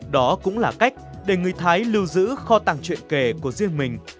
đó cũng là cách để người thái lưu giữ kho tàng truyện kể của riêng mình